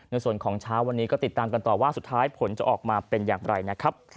ในส่วนของเช้าวันนี้ก็ติดตามกันต่อว่าสุดท้ายผลจะออกมาเป็นอย่างไรนะครับ